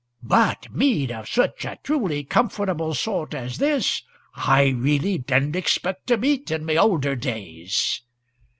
But mead of such a truly comfortable sort as this I really didn't expect to meet in my older days."